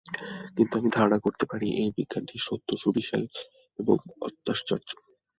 কিন্তু আমি ধারণা করিতে পারি যে, এই বিজ্ঞানটি সত্য, সুবিশাল ও অত্যাশ্চর্য।